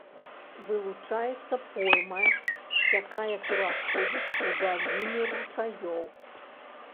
Вылучаецца пойма, якая пераходзіць у даліны ручаёў.